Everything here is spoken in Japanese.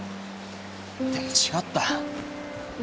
でも違った。